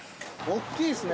大きいですね。